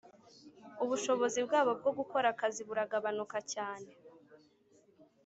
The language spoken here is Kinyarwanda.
ubushobozi bwabo bwo gukora akazi buragabanuka cyane,